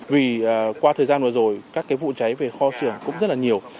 vì qua thời gian vừa rồi các cái vụ cháy về kho xưởng cũng rất là nhiều